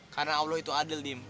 karena allah itu adil dim